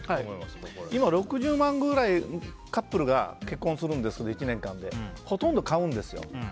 今、６０万くらいの１年間でカップルが結婚するんですけどほとんど買うんですよ。